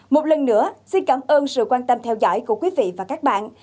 một lần nữa xin cảm ơn sự quan tâm theo dõi của quý vị và các bạn